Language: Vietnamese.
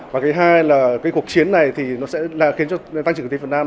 và cái hai là cái cuộc chiến này thì nó sẽ là khiến cho tăng trưởng tiền việt nam